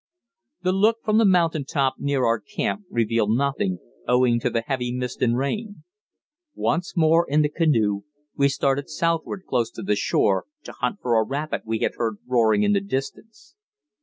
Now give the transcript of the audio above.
The look from the mountain top near our camp revealed nothing, owing to the heavy mist and rain. Once more in the canoe, we started southward close to the shore, to hunt for a rapid we had heard roaring in the distance.